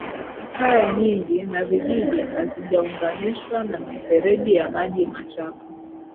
Kaya nyingi na vijiji hazijaunganishwa na mifereji ya maji machafu